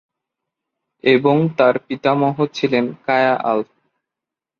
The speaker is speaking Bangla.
এবং তার পিতামহ ছিলেন কায়া আল্প।